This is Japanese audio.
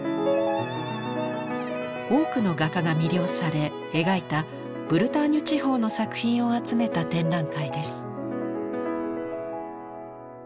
多くの画家が魅了され描いたブルターニュ地方の作品を集めた展覧会です。